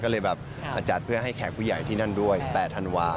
ก็เลยแบบมาจัดเพื่อให้แขกผู้ใหญ่ที่นั่นด้วย๘ธันวาค